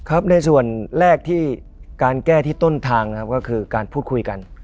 ครับในส่วนแรกที่การแก้ที่ต้นทางนะครับก็คือการพูดคุยกัน